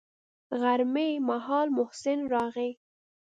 غرمې مهال محسن راغى.